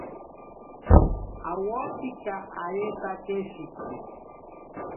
Awotsika areta keshiki.